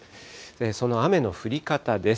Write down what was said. その雨の降り方です。